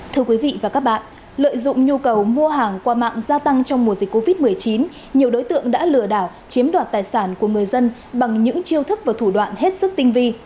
thưa quý vị và các bạn lợi dụng nhu cầu mua hàng qua mạng gia tăng trong mùa dịch covid một mươi chín nhiều đối tượng đã lừa đảo chiếm đoạt tài sản của người dân bằng những chiêu thức và thủ đoạn hết sức tinh vi